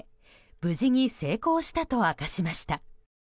無事に成功したと明かしました。